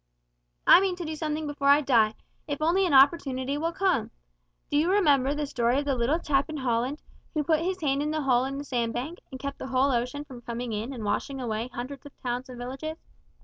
I mean to do something before I die, if only an opportunity will come! Do you remember the story of the little chap in Holland, who put his hand in the hole in the sand bank, and kept the whole ocean from coming in and washing away hundreds of towns and villages?